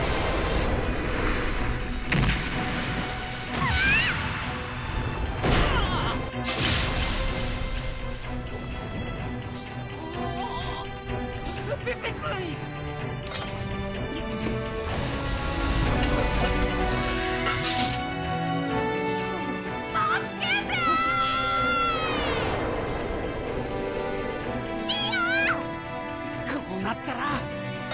こうなったら！